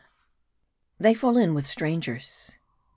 THEY FALL IN WITH STRANGERS.